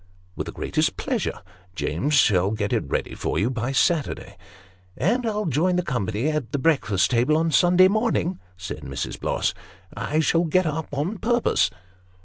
" With the greatest pleasure ; James shall get it ready for you by Saturday." " And I'll join the company at the breakfast table on Sunday morn ing," said Mrs. Bloss. " I shall get up on purpose."